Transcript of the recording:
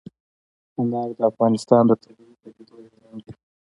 انار د افغانستان د طبیعي پدیدو یو رنګ دی.